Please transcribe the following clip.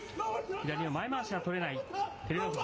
左の前まわしは取れない、照ノ富士。